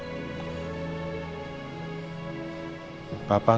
maka honkel kamu merupakan putus mading